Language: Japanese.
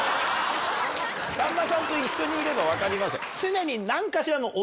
さんまさんと一緒にいれば分かりますよ。